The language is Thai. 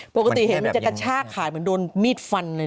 ปกติเห็นมันจะกระชากขายเหมือนโดนมีดฟันเลยนะ